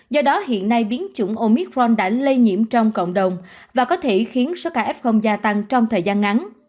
do đó hiện nay biến chủng omit fron đã lây nhiễm trong cộng đồng và có thể khiến số ca f gia tăng trong thời gian ngắn